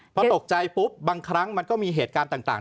พอตกใจปุ๊บบางครั้งมันก็มีเหตุการณ์ต่าง